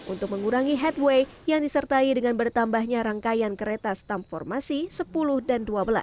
untuk mengurangi headway yang disertai dengan bertambahnya rangkaian kereta stamp formasi sepuluh dan dua belas